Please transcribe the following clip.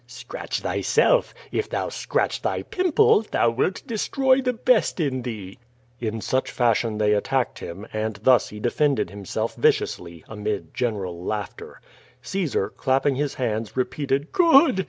"Scratch thyself. If thou scratch thy pimple, thou wilt destroy the best in thee." In such fashion they attacked him, and thus he defended himself viciously, amid general laughter. Caesar, clapping his hands, repeated "Good!"